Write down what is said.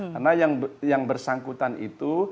karena yang bersangkutan itu